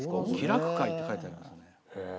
「気楽会」って書いてありますね。